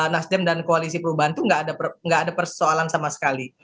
nasdem dan koalisi perubahan itu nggak ada persoalan sama sekali